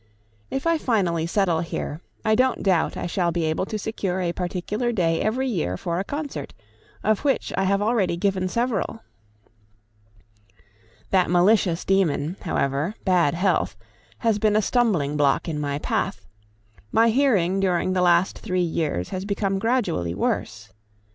If I finally settle here, I don't doubt I shall be able to secure a particular day every year for a concert, of which I have already given several. That malicious demon, however, bad health, has been a stumbling block in my path; my hearing during the last three years has become gradually worse.